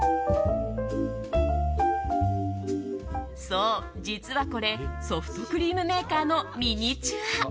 そう、実はこれソフトクリームメーカーのミニチュア。